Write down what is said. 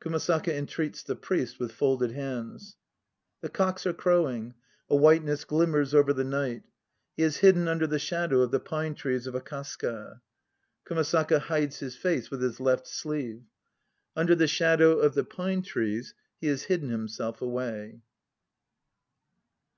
(KUMASAKA entreats the PRIEST with folded hands.) The cocks are crowing. A whiteness glimmers over the night. He has hidden under the shadow of the pine trees of Akasaka; (KUMASAKA hides his face with his left sleeve.) Under the shadow of the pine trees he has hidden himself away.